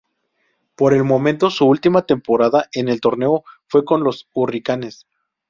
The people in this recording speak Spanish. Por el momento su última temporada en el torneo fue con los Hurricanes.